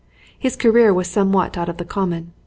His career was somewhat out of the common.